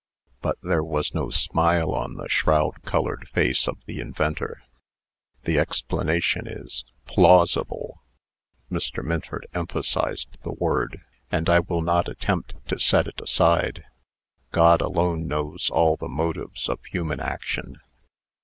But there was no smile on the shroud colored face of the inventor. "The explanation is plausible" (Mr. Minford emphasized the word), "and I will not attempt to set it aside. God alone knows all the motives of human action.